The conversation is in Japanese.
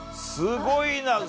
すごいな。